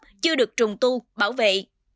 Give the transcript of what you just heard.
và chưa được trùng tu bảo vệ